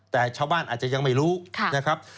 แต่ชาวบ้านอาจจะยังไม่รู้นะครับ